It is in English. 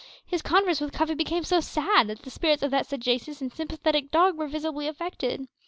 His converse with Cuffy became so sad that the spirits of that sagacious and sympathetic dog were visibly affected.